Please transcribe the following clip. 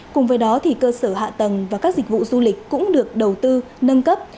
cùng với đó cơ sở hạ tầng và các dịch vụ du lịch cũng được đầu tư nâng cấp